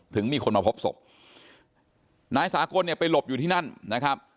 ถึงมีคนมาพบศพนายสากลเนี่ยไปหลบอยู่ที่นั่นนะครับ